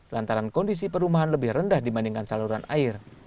lantaran kondisi perumahan lebih rendah dibandingkan saluran air